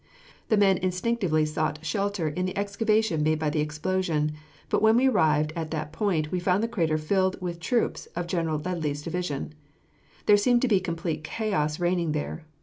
The men instinctively sought shelter in the excavation made by the explosion, but when we arrived at that point we found the crater filled with troops of General Ledlie's division. There seemed to be complete chaos reigning there.